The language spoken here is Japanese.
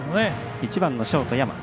１番のショート、山。